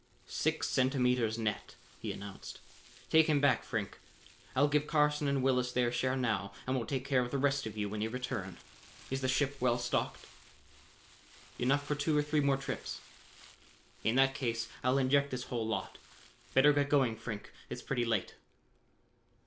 "Six centimeters net," he announced. "Take him back, Frink. I'll give Carson and Willis their share now and we'll take care of the rest of you when you return. Is the ship well stocked?" "Enough for two or three more trips." "In that case, I'll inject this whole lot. Better get going, Frink, it's pretty late."